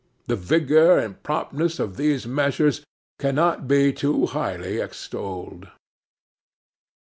The vigour and promptness of these measures cannot be too highly extolled.